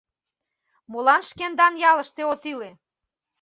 Молан шкендан ялыште от иле?